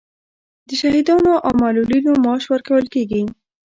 د شهیدانو او معلولینو معاش ورکول کیږي؟